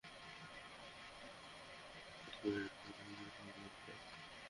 তাদেরকে বলো মেয়েটাকে ছেড়ে দিতে।